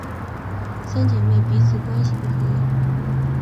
三姐妹彼此关系不和。